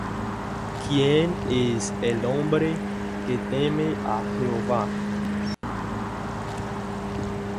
¿Quién es el hombre que teme á Jehová?